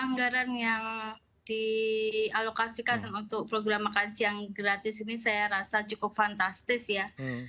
anggaran yang dialokasikan untuk program makan siang gratis ini saya rasa cukup fantastis ya